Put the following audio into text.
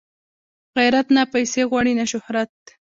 غیرت نه پیسې غواړي نه شهرت